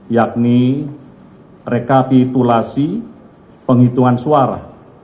yakni rekapitulasi penghitungan suara